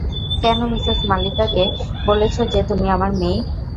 কেন মিসেস মালিকাকে বলেছ যে তুমি আমার মেয়ে?